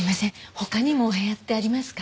他にもお部屋ってありますか？